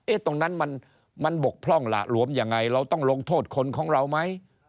ตรงนั้นมันบกพร่องหละหลวมยังไงเราต้องลงโทษคนของเราไหม